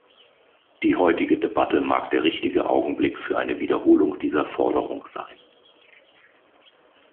Die heutige Debatte mag der richtige Augenblick für eine Wiederholung dieser Forderung sein.